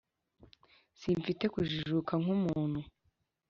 simfite kujijuka nk’umuntu,